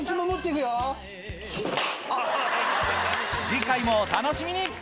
次回もお楽しみに！